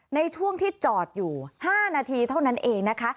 ในช่วงที่จอดอยู่๕นาทีเท่านั้นเองนะคะ